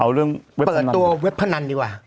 เอาเรื่องเปิดตัวเว็บพนันดีกว่า